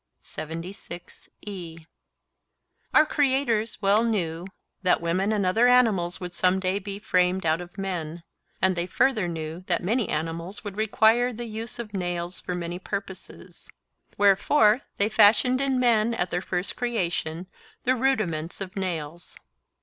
'Our creators well knew that women and other animals would some day be framed out of men, and they further knew that many animals would require the use of nails for many purposes; wherefore they fashioned in men at their first creation the rudiments of nails.